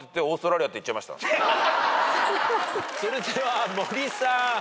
それでは森さん。